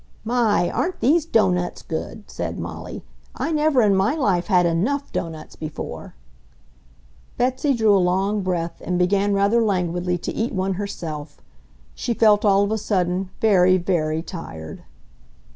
"My! Aren't these doughnuts good?" said Molly. "I never in my life had ENOUGH doughnuts before!" Betsy drew a long breath and began rather languidly to eat one herself; she felt, all of a sudden, very, very tired.